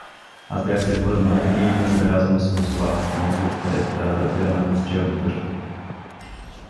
Аз бях се върнал и незабелязано се озовах отново пред драпираната с черно къща.